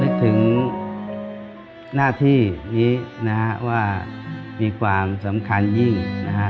นึกถึงหน้าที่นี้นะฮะว่ามีความสำคัญยิ่งนะฮะ